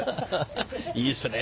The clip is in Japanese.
いいっすね